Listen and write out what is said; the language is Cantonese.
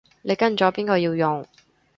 你跟咗邊個要用